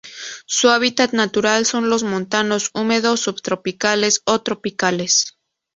Su hábitat natural son los montanos húmedos subtropicales o tropicales.